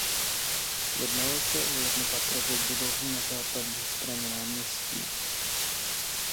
Jednalo se o jednopatrovou budovu na západní straně náměstí.